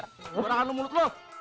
ngurangkan lu mulut lu